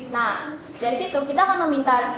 nah dari situ kita akan meminta